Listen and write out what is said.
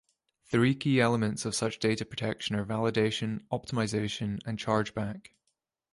Three key elements of such data protection are Validation, Optimization and Chargeback.